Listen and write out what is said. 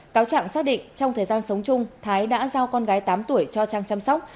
cáo trạng xác định trong thời gian sống chung thái đã giao con gái tám tuổi cho trang chăm sóc